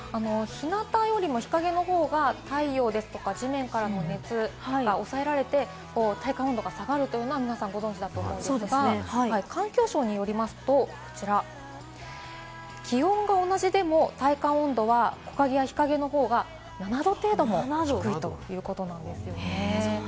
日向よりも日陰の方が太陽ですとか地面の熱、抑えられて体感温度が下がるというのは皆さん、ご存じだと思うんですが、環境省によりますと気温は同じでも体感温度は木陰や日陰の方が７度程度も低いということなんです。